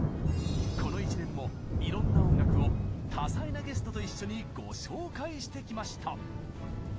この１年もいろんな音楽を多彩なゲストと一緒にご紹介してきました！